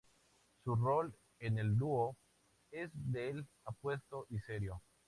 Su rol en el dúo es del "apuesto" y serio.